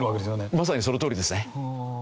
まさにそのとおりですね。